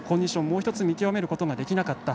もう１つ見極めることができなかった。